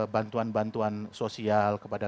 bantuan bantuan sosial kepada